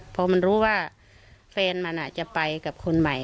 เพราะมันรู้ว่าเฟนมันอ่ะจะไปกับคนใหม่